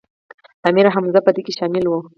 امیر حمزه په دې کې شامل و.